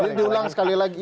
ini diulang sekali lagi